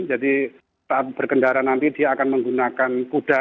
saat berkendara nanti dia akan menggunakan kuda